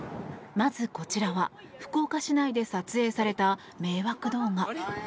まずこちらは福岡市内で撮影された迷惑動画。